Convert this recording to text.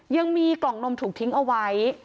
ยังมีกล่องนมถูกทิ้งเอาไว้